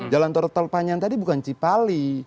jalan tol panjang tadi bukan cipali